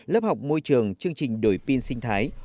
lớp học môi trường chương trình đổi pin sinh thái